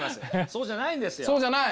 そうじゃないんですよ。